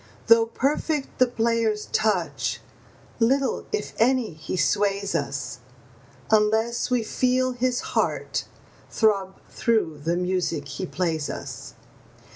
Though perfect the player's touch, little, if any, he sways us, Unless we feel his heart throb through the music he plays us.